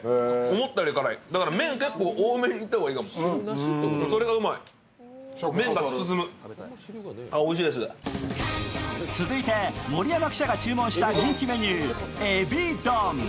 思ったより辛い、だから麺、結構多めにいった方がいいかも続いて盛山記者が注文した人気メニュー、エビ丼。